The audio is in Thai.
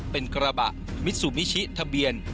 เป็นกระบะมิซูมิชิทะเบียน